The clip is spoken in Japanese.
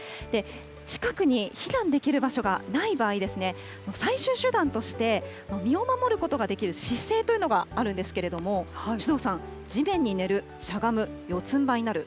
近くに避難できる場所がない場合ですね、最終手段として、身を守ることができる姿勢というのがあるんですけれども、首藤さん、地面に寝る、しゃがむ、四つんばいになる。